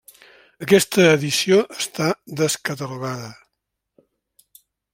Aquesta edició està descatalogada.